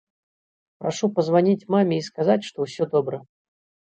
Прашу пазваніць маме і сказаць, што ўсё добра.